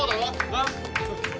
なっ！